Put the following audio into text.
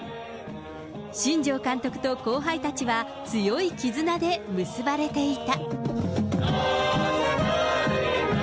新庄監督と後輩たちは、強い絆で結ばれていた。